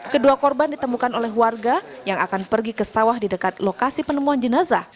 kedua korban ditemukan oleh warga yang akan pergi ke sawah di dekat lokasi penemuan jenazah